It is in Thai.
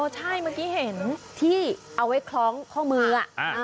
ใช่เมื่อกี้เห็นที่เอาไว้คล้องข้อมือ